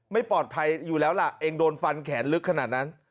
ไม่ปลอดภัยอยู่แล้วล่ะเองโดนฟันแขนลึกขนาดนั้น